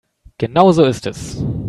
Genau so ist es.